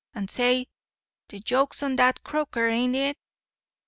And—say! de joke's on dat croaker, ain't it?